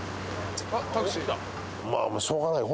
まあしょうがないよ。